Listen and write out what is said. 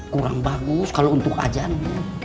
kurang bagus kalau untuk ajangnya